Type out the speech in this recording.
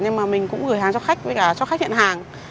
nhưng mà mình cũng gửi hàng cho khách với cả cho khách nhận hàng